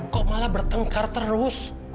kok malah bertengkar terus